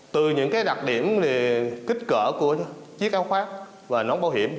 từ những cái đặc điểm kích cỡ của chiếc áo khoác và nón bảo hiểm